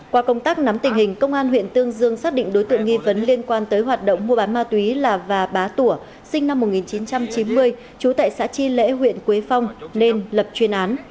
qua công tác nắm tình hình công an huyện tương dương xác định đối tượng nghi vấn liên quan tới hoạt động mua bán ma túy là và bá tủa sinh năm một nghìn chín trăm chín mươi trú tại xã chi lễ huyện quế phong nên lập chuyên án